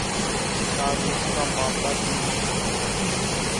تعلیم کا معاملہ بھی یہی ہے۔